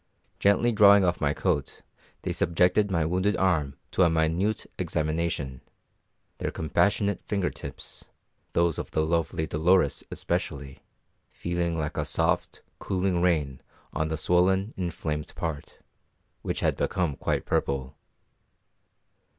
Gently drawing off my coat, they subjected my wounded arm to a minute examination; their compassionate finger tips those of the lovely Dolores especially feeling like a soft, cooling rain on the swollen, inflamed part, which had become quite purple.